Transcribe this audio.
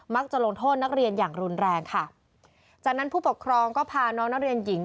จะลงโทษนักเรียนอย่างรุนแรงค่ะจากนั้นผู้ปกครองก็พาน้องนักเรียนหญิง